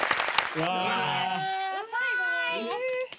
うまい。